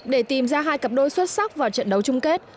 để tìm ra hai cặp đôi xuất sắc vào trận đấu chung kết